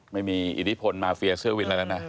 ไม่มีอินิพลมาเฟียเชื่อวินแล้วนะ